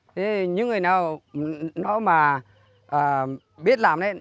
thế những người nào nó mà biết làm đấy